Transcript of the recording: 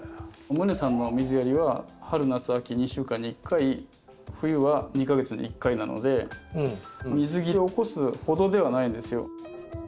ｍｕｎｅさんの水やリは春夏秋２週間に１回冬は２か月に１回なので水切れを起こすほどではないんですよ。